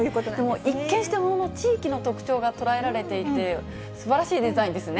一見して、地域の特徴が捉えられていて、すばらしいデザインですね。